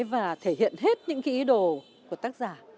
và thể hiện hết những cái ý đồ của tác giả